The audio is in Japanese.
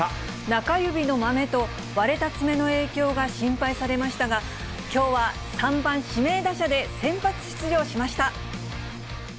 中指のマメと、割れた爪の影響が心配されましたが、きょうは３番指名打者で先発出場しました。